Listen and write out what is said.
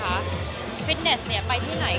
การสะเตียงที่คอยร้านทำ